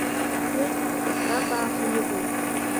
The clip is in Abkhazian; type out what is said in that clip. Уи кәытрабааха иҟоуп.